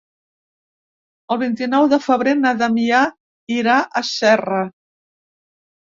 El vint-i-nou de febrer na Damià irà a Serra.